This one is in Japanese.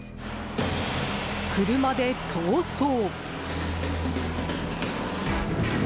車で逃走！